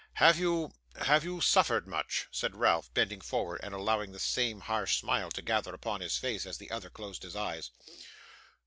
Have you have you suffered much?' said Ralph, bending forward, and allowing the same harsh smile to gather upon his face, as the other closed his eyes.